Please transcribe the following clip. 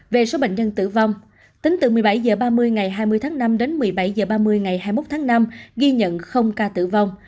về số bệnh nhân tử vong tính từ một mươi bảy h ba mươi ngày hai mươi tháng năm đến một mươi bảy h ba mươi ngày hai mươi một tháng năm ghi nhận ca tử vong